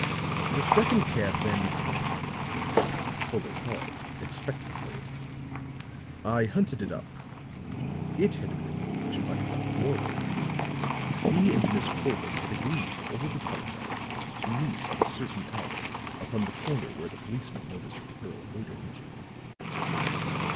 "The second cab, then " Fuller paused, expectantly. "I hunted it up. It had been engaged by young Warwick. He and Miss Corbin had agreed over the telephone to meet at a certain hour upon the corner where the policeman noticed the girl waiting.